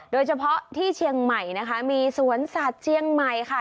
โดยเฉพาะที่เชียงใหม่นะคะมีสวนสัตว์เชียงใหม่ค่ะ